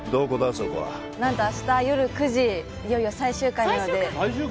そこは何と明日よる９時いよいよ最終回なので最終回？